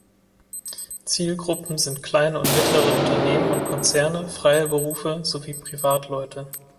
Zielgruppen sind kleine und mittlere Unternehmen und Konzerne, freie Berufe sowie Privatleute.